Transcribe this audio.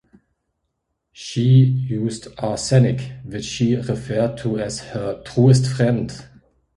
She used arsenic, which she referred to as "her truest friend".